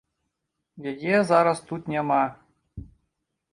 Яе зараз тут няма.